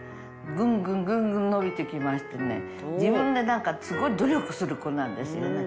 ぐんぐんぐんぐん伸びてきましてね、自分でなんかすごい努力する子なんですよね。